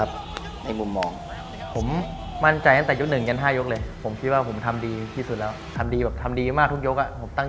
ก็เลยมาโอ๊ยเป็นปีเหมือนกัน